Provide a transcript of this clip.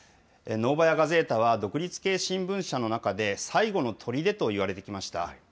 ノーバヤ・ガゼータは、独立系新聞社の中で、最後のとりでといわれてきました。